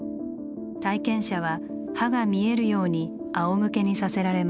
体験者は刃が見えるようにあおむけにさせられます。